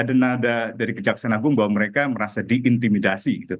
ada nada dari kejaksaan agung bahwa mereka merasa diintimidasi